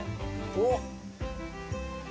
おっ！